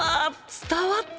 伝わった！